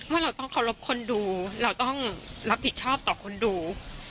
เราต้องเคารพคนดูเราต้องรับผิดชอบต่อคนดู